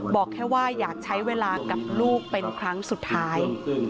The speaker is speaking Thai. บอกแค่ว่าอยากใช้เวลากับลูกเป็นครั้งสุดท้าย